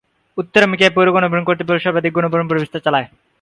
উত্তর আমেরিকায়, "পৌর গণপরিবহন কর্তৃপক্ষ" সর্বাধিক গণপরিবহন ব্যবস্থা চালায়।